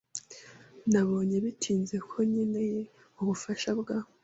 Nabonye bitinze ko nkeneye ubufasha bwa .